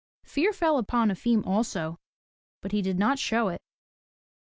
Fear fell upon Efim also, but he did not show it.